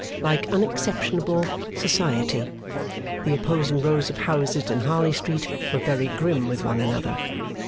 Like unexceptionable Society, the opposing rows of houses in Harley Street were very grim with one another.